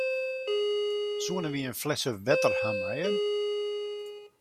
Soenen wy in flesse wetter hawwe meie?